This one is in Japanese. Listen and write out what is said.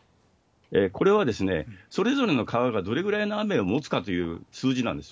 これはそれぞれの川がどれぐらいの雨をもつかという数字なんですよ。